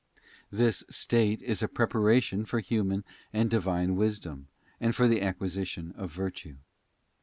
This state is a preparation for human and Divine wisdom, and for the acquisition of virtue.